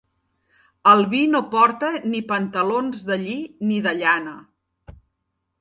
El vi no porta ni pantalons de lli ni de llana.